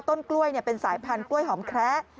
ต้นกล้วยเป็นสายพันธุกล้วยหอมแคระ